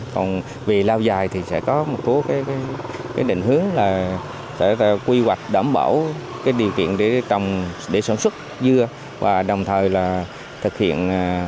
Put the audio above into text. còn về lao dài thì sẽ có một số định hướng là quy hoạch đảm bảo điều kiện để sản xuất dưa và đồng thời là thực hiện